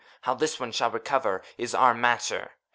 How this one shall recover, is our matter.